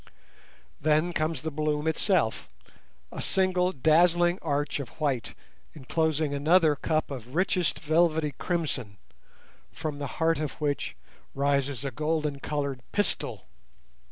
Then comes the bloom itself, a single dazzling arch of white enclosing another cup of richest velvety crimson, from the heart of which rises a golden coloured pistil.